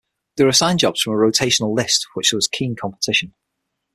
They were assigned jobs from a rotational list, for which there was keen competition.